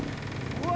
うわ！